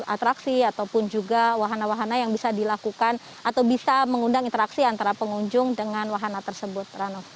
atraksi ataupun juga wahana wahana yang bisa dilakukan atau bisa mengundang interaksi antara pengunjung dengan wahana tersebut rano